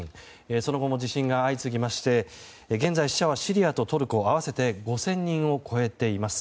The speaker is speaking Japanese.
その後も地震が相次ぎまして現在、死者はトルコとシリア合わせて５０００人を超えています。